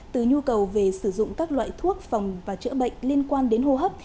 từ nhu cầu về sử dụng các loại thuốc phòng và chữa bệnh liên quan đến hô hấp